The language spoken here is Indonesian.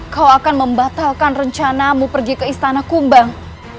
kau akan membatalkan rencanamu pergi ke istana kumbang